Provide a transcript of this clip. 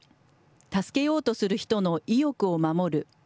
助けようとする人の意欲を守る。